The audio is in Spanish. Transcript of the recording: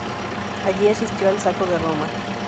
Allí asistió al Saco de Roma.